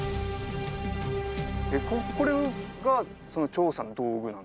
えっこれがその調査の道具なんですかね？